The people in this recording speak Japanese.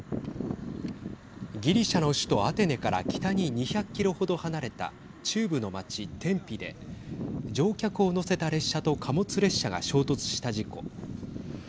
ギリシャの首都アテネから北に２００キロ程離れた中部の町テンピで乗客を乗せた列車と貨物列車が衝突した事故。